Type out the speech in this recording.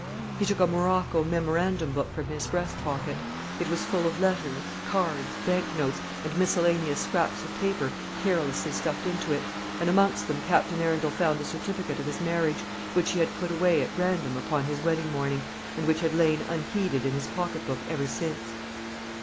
He took a morocco memorandum book from his breast pocket. It was full of letters, cards, bank notes, and miscellaneous scraps of paper carelessly stuffed into it, and amongst them Captain Arundel found the certificate of his marriage, which he had put away at random upon his wedding morning, and which had lain unheeded in his pocket book ever since.